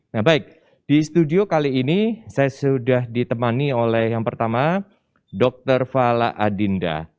nah baik di studio kali ini saya sudah ditemani oleh yang pertama dr fala adinda